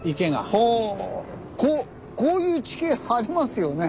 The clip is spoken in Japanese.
こういう地形ありますよね。